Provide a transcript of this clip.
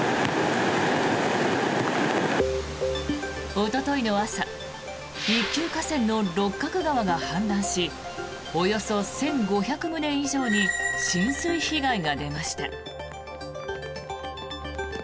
おとといの朝一級河川の六角川が氾濫しおよそ１５００棟以上に浸水被害が出ました。